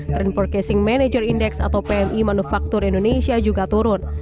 trend forecasing manager index atau pmi manufaktur indonesia juga turun